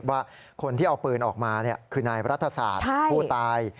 ว่าคนที่เอาปืนออกมาคือนายรัฐศาสตร์ผู้ตาย